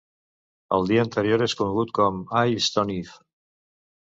El dia anterior és conegut com l'"Stone Eve".